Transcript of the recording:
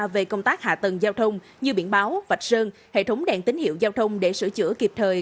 về công tác hạ tầng giao thông như biển báo vạch sơn hệ thống đèn tín hiệu giao thông để sửa chữa kịp thời